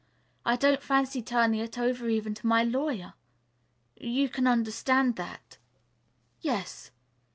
I don't fancy turning it over even to my lawyer. You can understand that." "Yes."